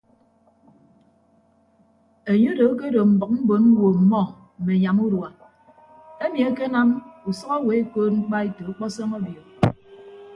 Enye odo akedo mbʌk mbon ñwo ọmmọ mme anyam urua emi ekenam usʌk owo ekoot mkpaeto ọkpọsọñ obio.